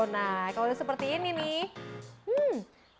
nah kalau seperti ini nih hmm